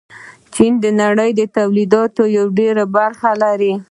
چین د نړۍ تولیداتو ډېره برخه لري.